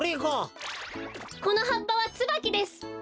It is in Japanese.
このはっぱはつばきです。